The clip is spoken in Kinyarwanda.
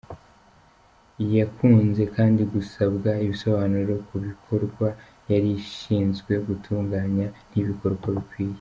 Yakunze kandi gusabwa ibisobanuro ku bikorwa yari ishinzwe gutunganya ntibikore uko bikwiye.